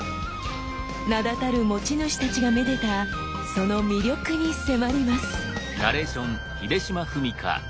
名だたる持ち主たちがめでたその魅力に迫ります。